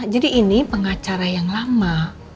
jadi ini pengacara yang lama